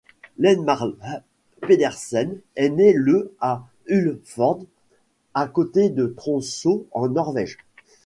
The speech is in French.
Lene Marlin Pedersen est née le à Ullsfjord à côté de Tromsø en Norvège.